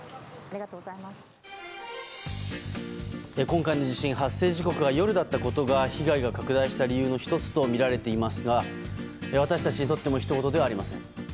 今回の地震発生時刻が夜だったことが被害が拡大した理由の１つとみられていますが私たちにとってもひとごとではありません。